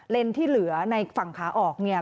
ที่เหลือในฝั่งขาออกเนี่ย